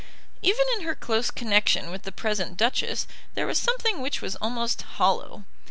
Even in her close connection with the present Duchess there was something which was almost hollow.